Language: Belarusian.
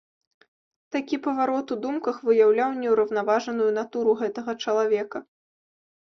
Такі паварот у думках выяўляў неўраўнаважаную натуру гэтага чалавека.